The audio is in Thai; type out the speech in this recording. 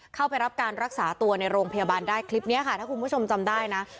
เข้าไปรับการรักษาตัวในโรงพยาบาลได้คลิปนี้ค่ะถ้าคุณผู้ชมจำได้นะ